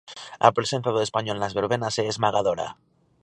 A presenza do español nas verbenas é esmagadora.